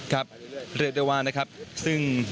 ครับเรียกได้ว่านะครับซึ่ง